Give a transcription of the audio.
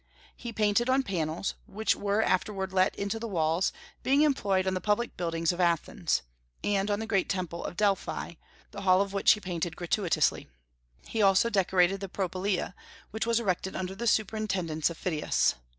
He painted on panels, which were afterward let into the walls, being employed on the public buildings of Athens, and on the great temple of Delphi, the hall of which he painted gratuitously. He also decorated the Propylaea, which was erected under the superintendence of Phidias.